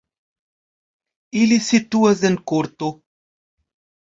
Ili situas en korto.